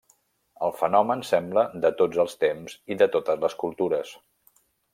El fenomen sembla de tots el temps i de totes les cultures.